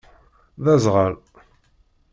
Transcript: D aẓɣal.